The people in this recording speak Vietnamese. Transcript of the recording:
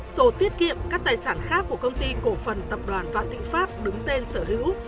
sổ tiết kiệm các tài sản khác của công ty cổ phần tập đoàn vạn thịnh pháp đứng tên sở hữu